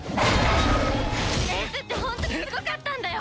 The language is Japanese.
英寿ってホントにすごかったんだよ！